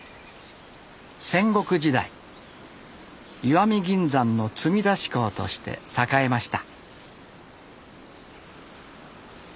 戦国時代石見銀山の積み出し港として栄えました。